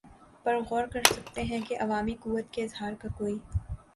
پر غور کر سکتے ہیں کہ عوامی قوت کے اظہار کا کوئی